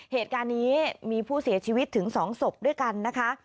เหตุการณ์นี้มีผู้เสียชีวิตถึง๒ศพด้วยกันนะคะ